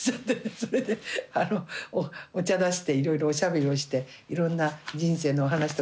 それでお茶出していろいろおしゃべりをしていろんな人生のお話とかいろいろしましたけど。